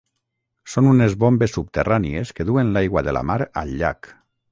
Són unes bombes subterrànies que duen l'aigua de la mar al llac.